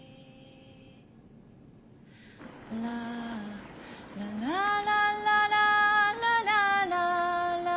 「ラララランララララララララ」